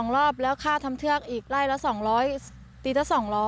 ๒รอบแล้วค่าทำเทือกอีกไล่ละ๒๐๐ปีละ๒๐๐